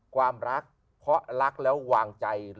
ความรักเพราะรักแล้ววางใจ